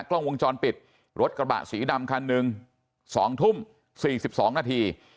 กล้องวงจรปิดรถกระบะสีดำคันหนึ่ง๒ทุ่ม๔๒นาที